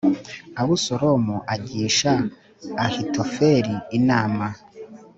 Abusalomu agisha Ahitofeli inama